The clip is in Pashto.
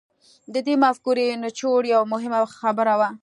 د دې مفکورې نچوړ يوه مهمه خبره وه.